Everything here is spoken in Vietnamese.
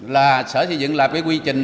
là sở xây dựng là quy trình